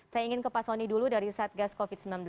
saya ingin ke pak soni dulu dari satgas covid sembilan belas